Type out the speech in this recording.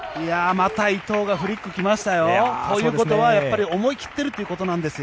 また伊藤がフリック、来ましたよ。ということは思い切ってるということなんですよ。